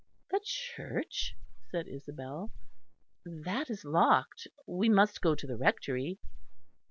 "The church!" said Isabel, "that is locked: we must go to the Rectory."